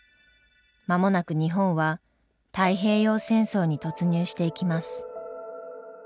間もなく日本は太平洋戦争に突入していきます。